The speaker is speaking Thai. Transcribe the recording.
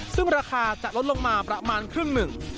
ซึ่งราคาจะลดลงมาประมาณครึ่งหนึ่ง